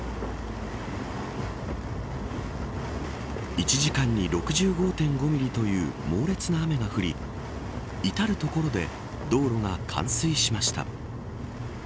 １時間に６５．５ミリという猛烈な雨が降り至る所で道路が冠水しました。